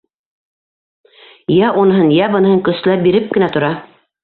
Йә уныһын, йә быныһын көсләп биреп кенә тора.